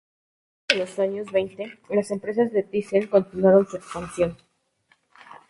A lo largo de los años veinte, las empresas de Thyssen continuaron su expansión.